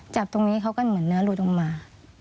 จับตรงนี้เขาก็เหมือนเนื้อหลุดลงมา